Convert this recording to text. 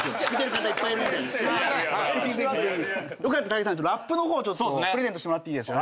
高木さんラップの方プレゼントしてもらっていいですか。